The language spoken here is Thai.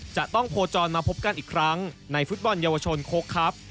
จะต้องโคจรมาพบกันอีกครั้งในฟุตบอลเยาวชนโค้กครับ